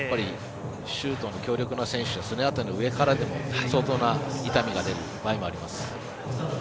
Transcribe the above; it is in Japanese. シュートの強力な選手はすね当ての上からでも相当な痛みが出る場合もあります。